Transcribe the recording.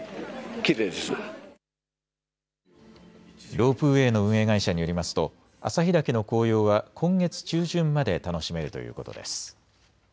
ロープウエーの運営会社によりますと旭岳の紅葉は今月中旬まで楽しめるということです。